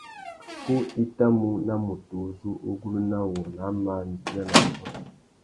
Ku i tà mú na mutu u zu ugunú na wô nà māh nitina na yôbôt.